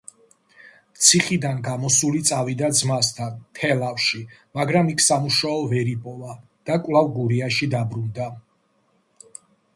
ციხიდან გამოსული წავიდა ძმასთან, თელავში, მაგრამ იქ სამუშაო ვერ იპოვა და კვლავ გურიაში დაბრუნდა.